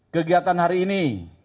kegiatan hari ini